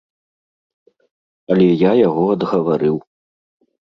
Але я яго адгаварыў.